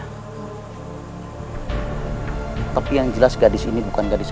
hai tapi yang jelas gadis ini bukan gadis